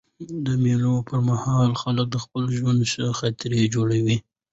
د مېلو پر مهال خلک د خپل ژوند ښې خاطرې جوړوي.